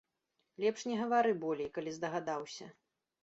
Лепш не гавары болей, калі здагадаўся.